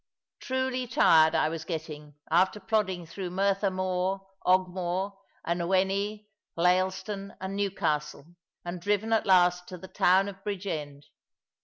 Truly tired I was getting, after plodding through Merthyr Mawr, Ogmore, and Ewenny, Llaleston, and Newcastle, and driven at last to the town of Bridgend.